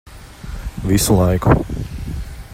Visu laiku.